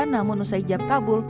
namun usai jabkabul